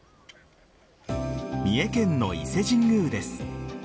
三重県の伊勢神宮です。